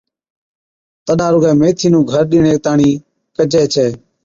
تڏا رُگَي ميٿي نُون گھر ڏِيڻي تاڻِين ڪجي ڇَي